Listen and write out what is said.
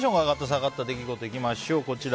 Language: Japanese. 下がった出来事いきましょう。